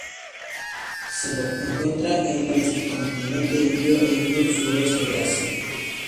Se lo encuentra en el subcontinente indio y el sureste de Asia.